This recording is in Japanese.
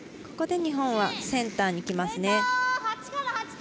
ここで日本はセンターに来ますね。